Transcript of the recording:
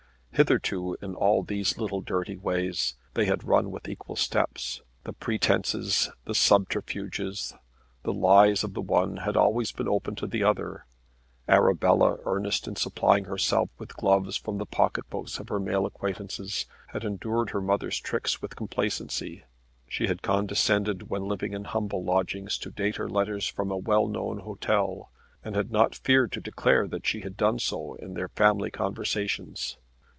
Hitherto in all these little dirty ways they had run with equal steps. The pretences, the subterfuges, the lies of the one had always been open to the other. Arabella, earnest in supplying herself with gloves from the pockets of her male acquaintances, had endured her mother's tricks with complacency. She had condescended when living in humble lodgings to date her letters from a well known hotel, and had not feared to declare that she had done so in their family conversations.